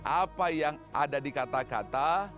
apa yang ada di kata kata